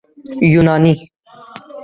یونانی